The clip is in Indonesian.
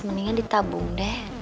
mendingan ditabung deh